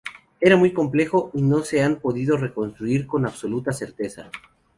Era muy complejo y no se han podido reconstruir con absoluta certeza.